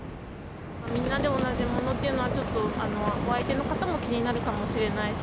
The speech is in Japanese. みんなで同じものっていうのは、ちょっと、お相手の方も気になるかもしれないし。